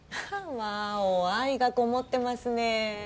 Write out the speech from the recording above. ワオ愛がこもってますね。